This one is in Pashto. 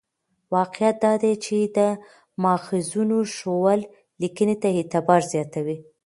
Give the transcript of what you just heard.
واقعیت دا دی چې د ماخذونو ښوول لیکنې ته اعتبار زیاتوي.